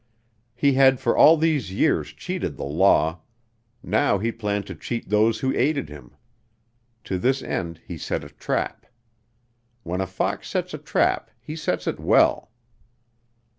He had for all these years cheated the law; now he planned to cheat those who aided him. To this end he set a trap. When a fox sets a trap he sets it well.